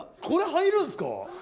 これ入るんすか⁉